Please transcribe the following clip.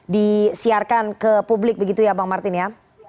disiarkan ke publik begitu ya bang martin ya